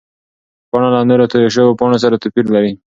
پاڼه له نورو تویو شوو پاڼو سره توپیر لري.